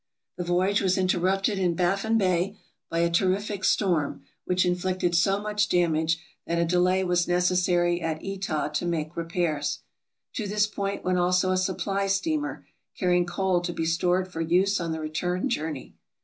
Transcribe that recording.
The voyage was interrupted in Baffin Bay by a terrific storm which inflicted so much damage that a delay was necessary at Etah to make repairs. To this point went also a supply steamer carrying coal to be stored for use on the return journey.